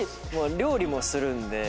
料理もするんで。